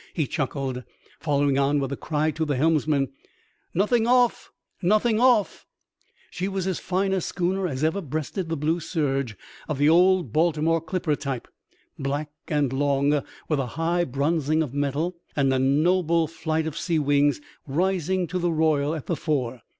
he chuckled, following on with a cry to the helmsman, " Nothing off, nothing off !"..• She was as fine a schooner as ever breasted the blue surge ; of the old Baltimore clipper type, black and long, with a high bronzing of metal, and a noble flight of sea wings rising to the royal at the fore.